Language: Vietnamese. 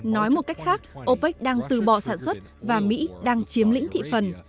nói một cách khác opec đang từ bỏ sản xuất và mỹ đang chiếm lĩnh thị phần